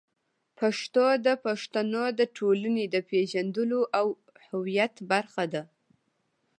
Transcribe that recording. پښتو د پښتنو د ټولنې د پېژندلو او هویت برخه ده.